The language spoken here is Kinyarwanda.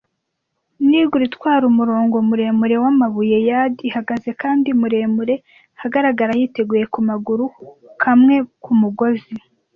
Negro itwara umurongo muremure wamabuye-yard, ihagaze kandi muremure ahagarara yiteguye kumaguru kamwe kumugozi,